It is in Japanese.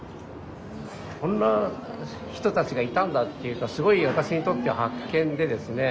こんな人たちがいたんだっていうかすごい私にとって発見でですね